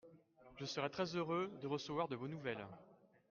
Je serai très-heureux de recevoir de vos nouvelles.